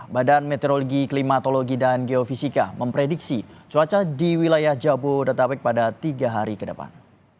badan meteorologi klimatologi dan geofisika memprediksi cuaca di wilayah jabodetabek pada tiga hari ke depan